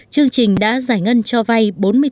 chương trình đã giải ngân cho vay